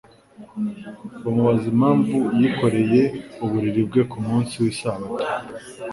bamubaza impamvu yikoreye uburiri bwe ku munsi w’Isabato